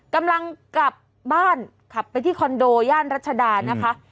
กำลังกลับบ้านขับไปที่คอนโดย่านรัชดานะคะ